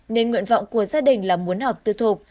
nên nguyện vọng của gia đình là muốn học tư thuộc